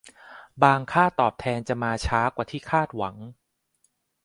บางค่าตอบแทนจะมาช้ากว่าที่คาดหวัง